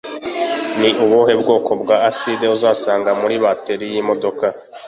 Ni ubuhe bwoko bwa Acide Uzasanga muri Bateri yimodoka